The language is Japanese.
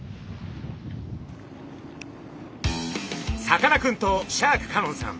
さかなクンとシャーク香音さん。